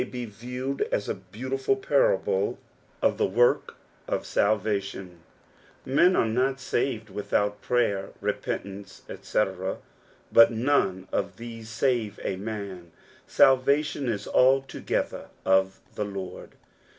be Tiewed as & beautiful panble of the work of Balvatlon ; men are not ■aved without prajer, repentance, etc., hat none of these save a man, Balvation is altOKether of the Lord.